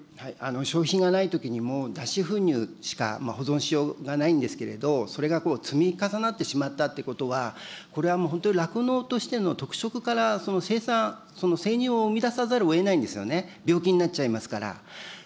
消費がないときも、脱脂粉乳しか、保存しようがないんですけれど、それが積み重なってしまったということは、これはもう、本当に酪農としての特色から、生産、生乳を生み出さざるをえないんですよね、病気になっちゃいますから。